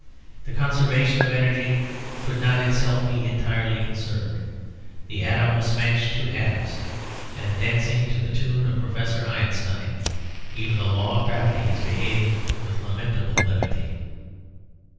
The conservation of energy could not itself be entirely conserved. The atom was smashed to atoms. And dancing to the tune of Professor Einstein, even the law of gravity is behaving with lamentable levity.